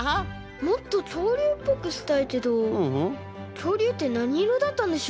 もっときょうりゅうっぽくしたいけどきょうりゅうってなにいろだったんでしょう？